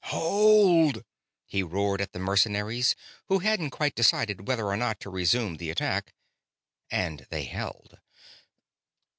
"HOLD!" he roared at the mercenaries, who hadn't quite decided whether or not to resume the attack, and they held.